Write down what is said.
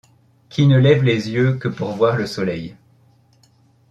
Qui ne lève les yeux que pour voir le soleil !